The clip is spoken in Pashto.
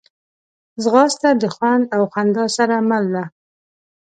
ځغاسته د خوند او خندا سره مل ده